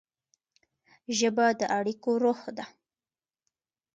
ژبه د اړیکو روح ده.